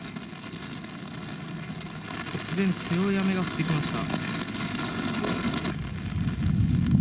突然強い雨が降ってきました。